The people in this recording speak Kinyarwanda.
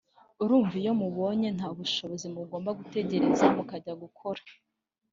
urumva iyo mubonye ntabushobozi mugomba gutegereza mukajya gukora